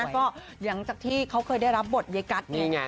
ก็หลังจากที่เขาเคยได้รับบทเย้กัสไง